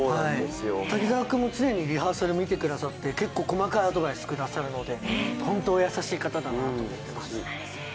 滝沢君も常にリハーサルを見てくださって、細かいところも見てくれてアドバイスくださるので本当、お優しい方だなと。